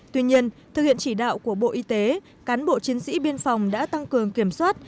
tuy nhiên thực hiện chỉ đạo của bộ y tế cán bộ chiến sĩ biên phòng đã tăng cường kiểm soát